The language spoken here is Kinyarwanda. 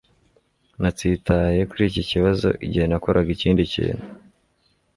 Natsitaye kuri iki kibazo igihe nakoraga ikindi kintu